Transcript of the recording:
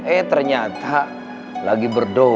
eh ternyata lagi berdoa